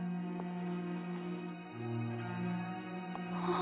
あ